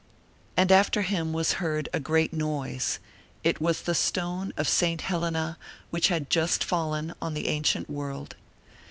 And after him was heard a great noise: it was the stone of St. Helena which had just fallen on the ancient world.